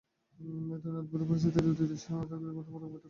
এ ধরনের উদ্ভূত পরিস্থিতিতে দুই দেশের সীমান্তরক্ষীদের মধ্যে পতাকা বৈঠক করা হয়।